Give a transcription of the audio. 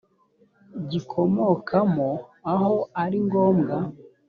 gikomokamo aho ari ngombwa